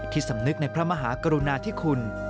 สำนึกในพระมหากรุณาธิคุณ